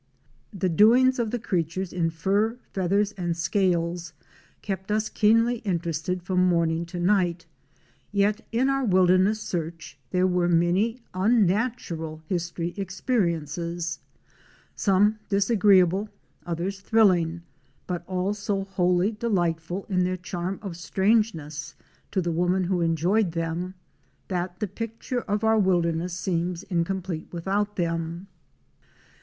(By Mary Blair Beebe.) HE doings of the creatures in fur, feathers and scales kept us keenly interested from morning to night, yet in our wilderness search there were many unnatural history experiences —some disagreeable, others thrilling —but all so wholly delightful in their charm of strangeness to the woman who enjoyed them that the picture of our wilderness seems incomplete without them.